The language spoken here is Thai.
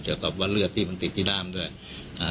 เกี่ยวกับว่าเลือดที่มันติดที่ด้ามด้วยอ่า